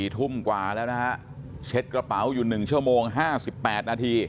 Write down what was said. ทุ่มกว่าแล้วนะฮะเช็ดกระเป๋าอยู่๑ชั่วโมง๕๘นาที